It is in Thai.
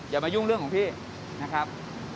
อย่ามายุ่งเรื่องของพี่นะครับ